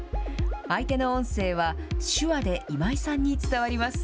相手の音声は、手話で今井さんに伝わります。